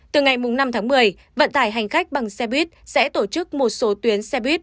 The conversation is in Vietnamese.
từ ngày năm tháng một mươi vận tải hành khách bằng xe buýt sẽ tổ chức một số tuyến xe buýt